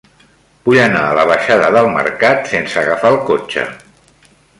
Vull anar a la baixada del Mercat sense agafar el cotxe.